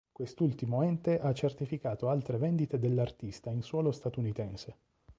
Quest'ultimo ente ha certificato altre vendite dell'artista in suolo statunitense.